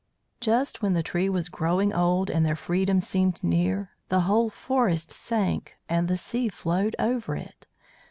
Just when the tree was growing old and their freedom seemed near, the whole forest sank, and the sea flowed over it.